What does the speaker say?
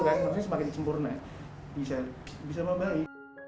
sebenarnya semakin dikempurni bisa bisa babahi